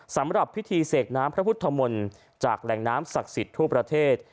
สำหรับพิธีเสกน้ำพระพุทธมนต์จากแหล่งน้ำศักดิ์สิทธิ์ทั่วประเทศ